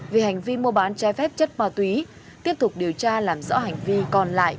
vì hành vi mua bán trái phép chất ma túy tiếp tục điều tra làm rõ hành vi còn lại